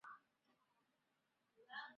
这也被称为整体油箱。